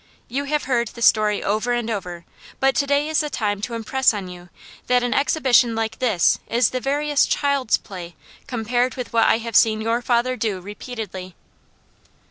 You have heard the story over and over, but to day is the time to impress on you that an exhibition like THIS is the veriest child's play compared with what I have seen your father do repeatedly!"